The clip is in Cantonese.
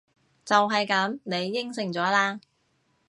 就係噉！你應承咗喇！